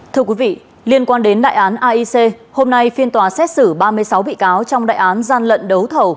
thưa quý vị liên quan đến đại án aic hôm nay phiên tòa xét xử ba mươi sáu bị cáo trong đại án gian lận đấu thầu